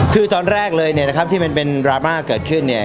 คือตอนแรกเลยเนี่ยนะครับที่มันเป็นดราม่าเกิดขึ้นเนี่ย